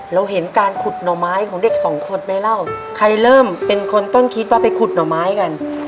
เราเห็นการขุดหน่อไม้ของเด็กสองคนไหมเล่าใครเริ่มเป็นคนต้นคิดว่าไปขุดหน่อไม้กัน